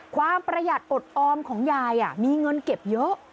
ประหยัดอดออมของยายมีเงินเก็บเยอะ